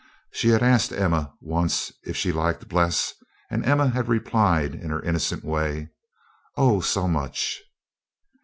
She had asked Emma once if she liked Bles, and Emma had replied in her innocent way, "Oh, so much."